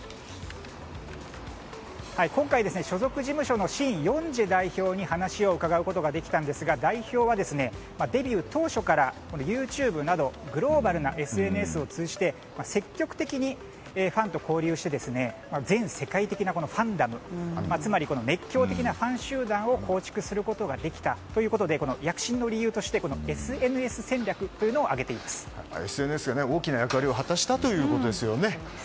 今回、所属事務所のシン・ヨンジェ代表に話を伺うことができたんですが代表はデビュー当初からＹｏｕＴｕｂｅなどグローバルなＳＮＳを通じて積極的にファンと交流して全世界的なファンダムつまり熱狂的なファン集団を構築することができたということで躍進の理由としてＳＮＳ戦略というのをＳＮＳが大きな役割を果たしたということですね。